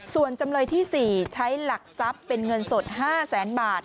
ส่วนจำเลยที่๔ใช้หลักทรัพย์เป็นเงินสด๕แสนบาท